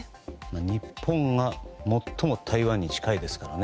日本が最も台湾に近いですからね。